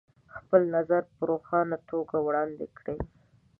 خپل نظر په روښانه توګه وړاندې کړئ.